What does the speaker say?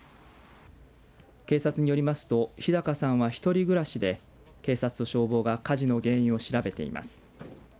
警察によりますと日高さんは１人暮らしで警察と消防が火事の原因を調べています。